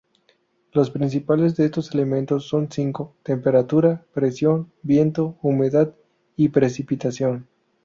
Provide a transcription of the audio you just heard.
Los principales de estos elementos son cinco: temperatura, presión, viento, humedad y precipitación.